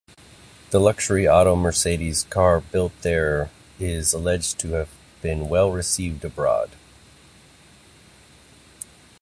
The luxury "Otto-Mercedes" car built there is alleged to have been well received abroad.